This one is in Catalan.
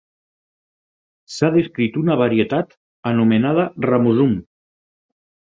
S'ha descrit una varietat anomenada "ramosum".